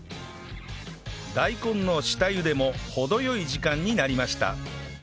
大根の下ゆでも程良い時間になりました